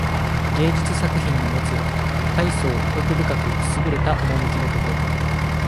芸術作品のもつたいそう奥深くすぐれた趣のこと。